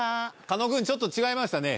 狩野くんちょっと違いましたね。